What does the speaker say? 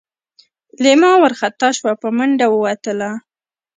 لېلما وارخطا شوه په منډه ووتله.